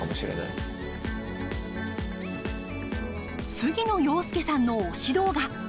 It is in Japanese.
杉野遥亮さんの推し動画。